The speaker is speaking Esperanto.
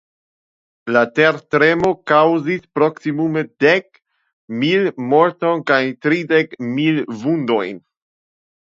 La tertremo kaŭzis proksimume dek mil mortojn kaj tridek mil vundojn.